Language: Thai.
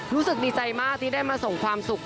รู้สึกดีใจมากที่ได้มาส่งความสุข